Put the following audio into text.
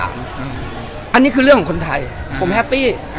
อันนี้คือเรื่องของคนไทยผมแฮปปี้